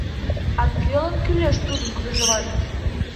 А кӧлан кӱлеш тудын кружеваже?